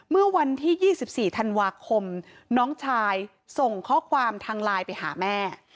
เมื่อวันที่๒๔ธันวาคมน้องชายส่งข้อความทางไลน์ไปหาแม่